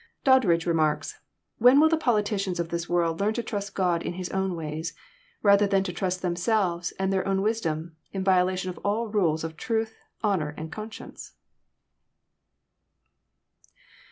Doddridge remarks :" When will the politicians of this world learn to trust God in His own ways, rather than to trust them selves and their own wisdom, in violation of all rules of truth, honour, and conscience?